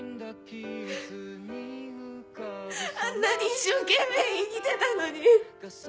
あんなに一生懸命生きてたのに。